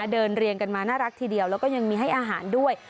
เรียงกันมาน่ารักทีเดียวแล้วก็ยังมีให้อาหารด้วย